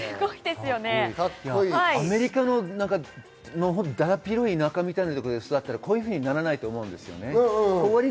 アメリカのだだっ広い田舎みたいなところで育ったら、こういうふうにならないと思います。